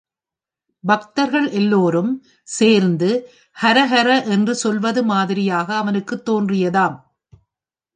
பக்தர்கள் எல்லோரும் சேர்ந்து ஹர ஹர என்று சொல்வது மாதிரியாக அவனுக்குத் தோன்றியதாம்.